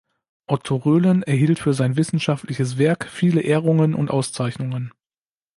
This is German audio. Otto Roelen erhielt für sein wissenschaftliches Werk viele Ehrungen und Auszeichnungen.